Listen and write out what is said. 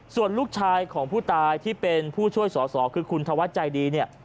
ส่วนลูกชายของผู้ตายที่เป็นผู้ช่วยสอสอคือคุณธวัฒน์ใจดีเนี่ย